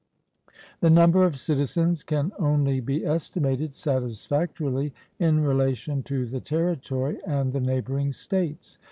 The number of citizens can only be estimated satisfactorily in relation to the territory and the neighbouring states.